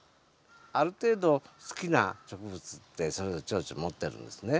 ある程度好きな植物ってそれぞれチョウチョ持ってるんですね。